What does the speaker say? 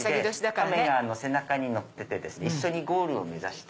亀が背中に乗ってて一緒にゴールを目指して。